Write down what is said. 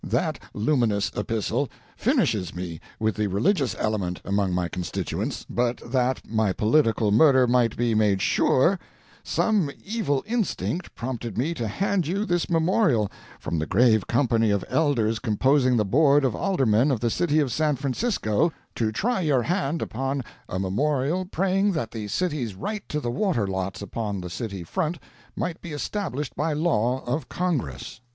"That luminous epistle finishes me with the religious element among my constituents. But that my political murder might be made sure, some evil instinct prompted me to hand you this memorial from the grave company of elders composing the board of aldermen of the city of San Francisco, to try your hand upon a memorial praying that the city's right to the water lots upon the city front might be established by law of Congress.